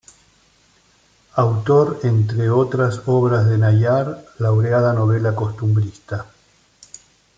Autor entre otras obras de "Nayar", laureada novela costumbrista.